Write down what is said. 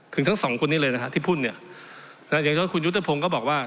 ถึงทั้ง๒คนนี้เลยที่พูดอย่างเจ้าคุณยุฤทธิพงก็บอกว่า